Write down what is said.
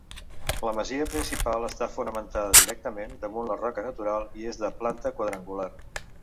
La masia principal està fonamentada directament damunt la roca natural i és de planta quadrangular.